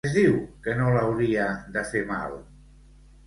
Què es diu que no l'hauria de fer mal?